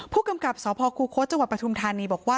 ผู้กำกับสคโคตรจปทุมธานีบอกว่า